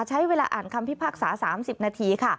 ใช้เวลาอ่านคำพิพากษา๓๐นาทีค่ะ